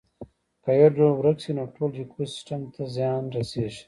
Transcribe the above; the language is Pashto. که یو ډول ورک شي نو ټول ایکوسیستم ته زیان رسیږي